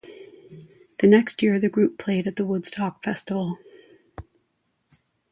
The next year, the group played at the Woodstock Festival.